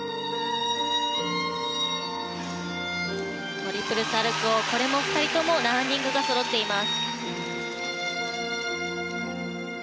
トリプルサルコウ、２人ともランディングそろっています。